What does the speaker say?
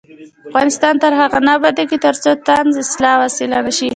افغانستان تر هغو نه ابادیږي، ترڅو طنز د اصلاح وسیله نشي.